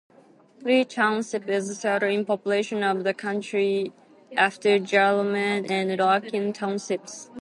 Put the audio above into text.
Lee Township is third in population of the county, after Jerome and Larkin townships.